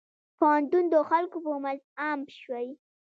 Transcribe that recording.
پوهنتون د خلکو په منځ عام شوی.